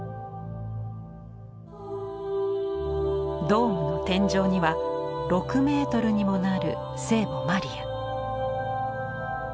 ドームの天井には６ｍにもなる聖母マリア。